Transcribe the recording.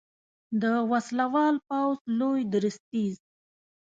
د وسلوال پوځ لوی درستیز